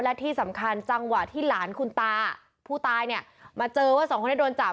และที่สำคัญจังหวะที่หลานคุณตาผู้ตายเนี่ยมาเจอว่าสองคนนี้โดนจับ